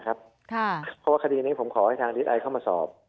เพราะว่าคดีนี้ผมขอให้ทางดีสไอเข้ามาสอบ